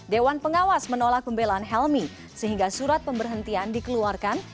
dewan pengawas menolak pembelaan helmi sehingga surat pemberhentian dikeluarkan